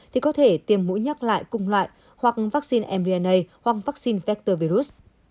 thì có thể tiêm mũi nhắc lại cùng loại hoặc vắc xin mdna hoặc vắc xin vector virus